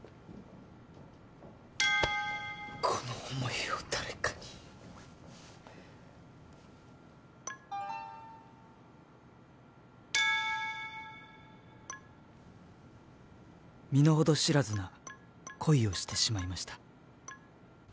この思いを誰かに「身のほど知らずな恋をしてしまいました」